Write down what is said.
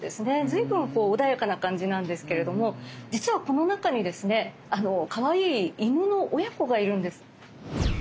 随分穏やかな感じなんですけれども実はこの中にですねかわいい犬の親子がいるんです。